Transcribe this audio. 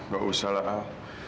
gak usah lah al